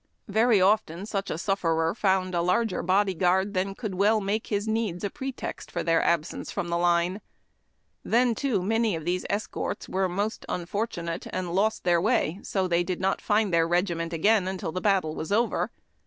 Very often such a sufferer found a larger body guard than could well make his needs a pretext for their absence from the line. Then, too, many of these escorts were most unfortu nate, and lost their tvay., so that they did not find their regi ment again until after the battle was over.